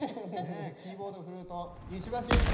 キーボードフルート石橋英子。